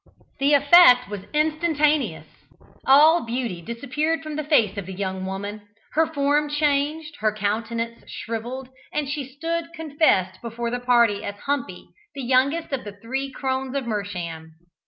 The effect was instantaneous. All beauty disappeared from the face of the young woman, her form changed, her countenance shrivelled, and she stood confessed before the party as Humpy, the youngest of the three Crones of Mersham.